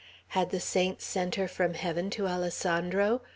Had the saints sent her from heaven to Alessandro?